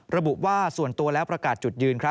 ระบุว่าส่วนตัวแล้วประกาศจุดยืน